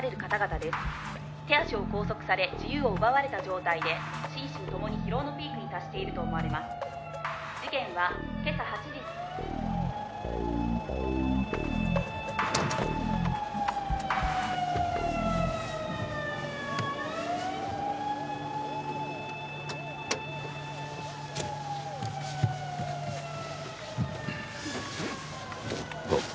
「手足を拘束され自由を奪われた状態で心身ともに疲労のピークに達していると思われます」「事件は今朝８時」どうも。